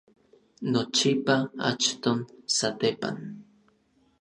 nochipa, achton, satepan